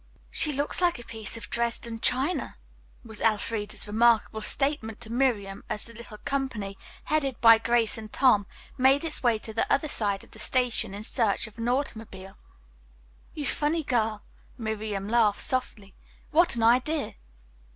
"She looks like a piece of Dresden china," was Elfreda's remarkable statement to Miriam as the little company, headed by Grace and Tom, made its way to the other side of the station in search of an automobile. "You funny girl," Miriam laughed softly, "what an idea!"